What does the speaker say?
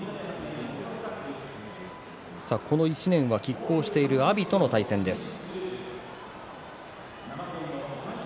この１年はきっ抗している阿炎との対戦です。